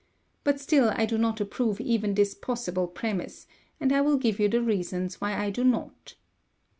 But still I do not approve even this possible promise; and I will give you the reasons why I do not.